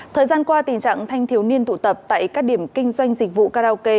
thời gian qua tình trạng thanh thiếu niên tụ tập tại các điểm kinh doanh dịch vụ karaoke